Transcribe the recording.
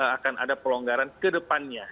akan ada pelonggaran ke depannya